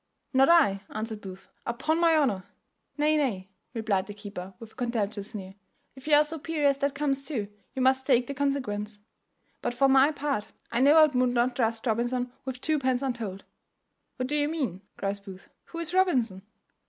"Not I," answered Booth, "upon my honour." "Nay, nay," replied the keeper, with a contemptuous sneer, "if you are so peery as that comes to, you must take the consequence. But for my part, I know I would not trust Robinson with twopence untold." "What do you mean?" cries Booth; "who is Robinson?"